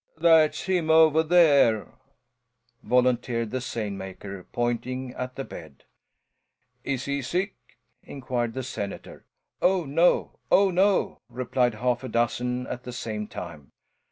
"That's him over there," volunteered the seine maker, pointing at the bed. "Is he sick?" inquired the senator. "Oh, no! Oh, no!" replied half a dozen at the same time.